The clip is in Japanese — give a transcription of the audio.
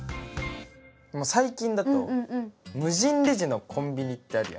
最近だと無人レジのコンビニってあるやん。